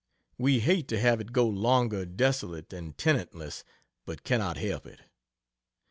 We hate to have it go longer desolate and tenantless, but cannot help it.